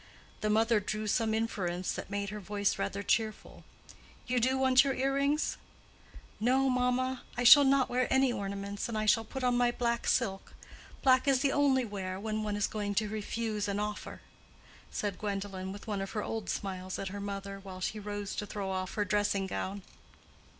The mother drew some inference that made her voice rather cheerful. "You do want your earrings?" "No, mamma; I shall not wear any ornaments, and I shall put on my black silk. Black is the only wear when one is going to refuse an offer," said Gwendolen, with one of her old smiles at her mother, while she rose to throw off her dressing gown.